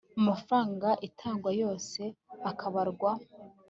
amafaranga itanga yose akabarwa